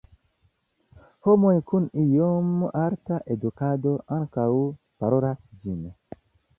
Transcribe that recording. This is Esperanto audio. Homoj kun iom alta edukado ankaŭ parolas ĝin.